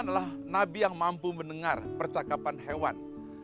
nabi sulaiman adalah nabi yang mampu mendengar percakapan hewan